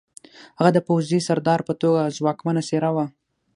هغه د پوځي سردار په توګه ځواکمنه څېره وه